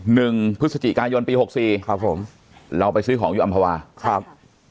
หนึ่งพฤศจิกายนปีหกสี่ครับผมเราไปซื้อของอยู่อำภาวาครับ